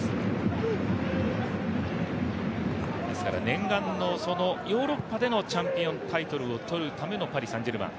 念願のヨーロッパでのチャンピオンタイトルをとるためのパリ・サン＝ジェルマン。